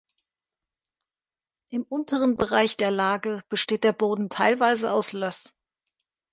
Im unteren Bereich der Lage besteht der Boden teilweise aus Löss.